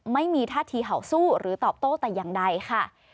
ไม่มีท่าทีเห่าสู้หรือตอบโต้แต่อย่างใดค่ะ